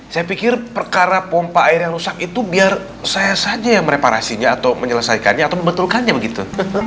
saya pikir perkara pompa air yang rusak itu biar saya saja yang mereparasinya atau menyelesaikannya atau membetulkannya begitu